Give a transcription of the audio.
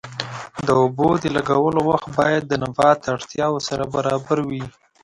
د اوبو د لګولو وخت باید د نبات اړتیاوو سره برابر وي.